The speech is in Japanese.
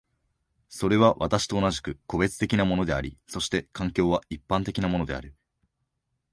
それは私と同じく個別的なものであり、そして環境は一般的なものである。